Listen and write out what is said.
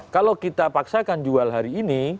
kalau kita paksakan jual hari ini